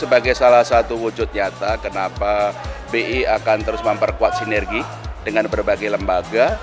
sebagai salah satu wujud nyata kenapa bi akan terus memperkuat sinergi dengan berbagai lembaga